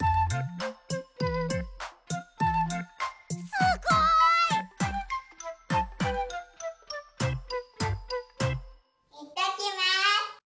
すごい！いってきます。